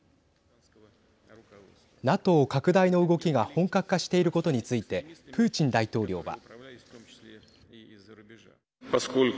ＮＡＴＯ拡大の動きが本格化していることについてプーチン大統領は。